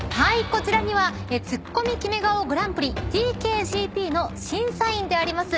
こちらにはツッコミキメ顔グランプリＴＫＧＰの審査員であります